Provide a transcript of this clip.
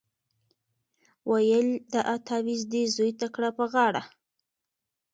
ویل دا تعویذ دي زوی ته کړه په غاړه